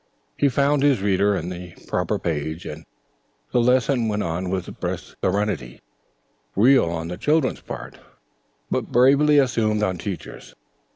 He found his reader and the proper page, and the lesson went on with brisk serenity; real on the children's part, but bravely assumed on Teacher's.